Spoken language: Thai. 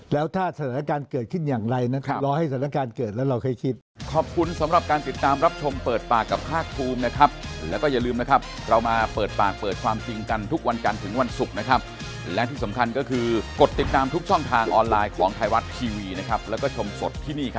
แล้วถ้าสถานการณ์เกิดขึ้นอย่างไรนะครับรอให้สถานการณ์เกิดแล้วเราค่อยคิด